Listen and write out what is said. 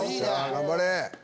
頑張れ！